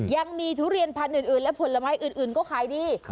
ยังมีทุเรียนพันธุ์อื่นและผลไม้อื่นก็ขายดี